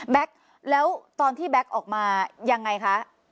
แล้วตอนที่แก๊กออกมายังไงคะ